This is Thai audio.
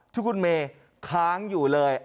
ที่คุณเมย์ค้างอยู่เลย